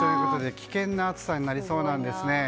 危険な暑さになりそうなんです。